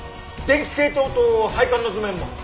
電気系統と配管の図面も。